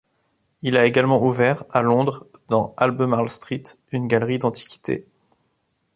Il a également ouvert, à Londres, dans Albemarle Street, une galerie d'antiquités.